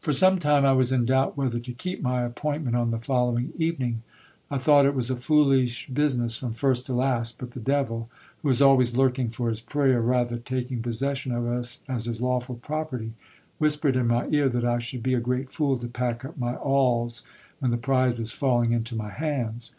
For some time, I was in doubt whether to keep my appointment on the follow ing evening. I thought it was a foolish business from first to last ; but the devil, who is always lurking for his prey, or rather taking possession of us as his lawful property, whispered in my ear that I should be a great fool to pack up my alls when the prize was falling into my hands.